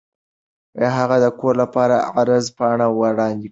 هغه د کور لپاره عرض پاڼه وړاندې کړه.